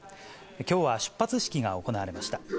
きょうは出発式が行われました。